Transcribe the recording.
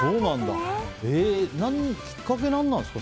きっかけは何なんですか？